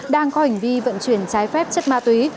đang có hành vi vận chuyển trái phép chất ma túy